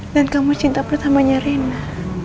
dan kamu cinta pertamanya rina